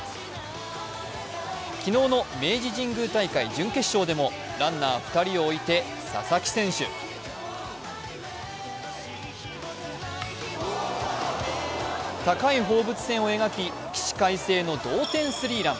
昨日の明治神宮野球大会・準決勝でもライナー２人を置いて、佐々木選手高い放物線を描き起死回生の同点スリーラン。